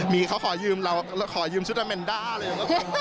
มีเขาขอยืมเราแล้วขอยืมชุดอเมนด้าเลย